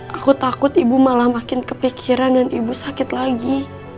aku takut ibu malah makin kepikiran dan ibu sakit lagi